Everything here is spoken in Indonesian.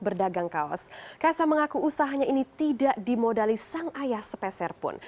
berdagang kaos kasa mengaku usahanya ini tidak dimodali sang ayah sepeserpun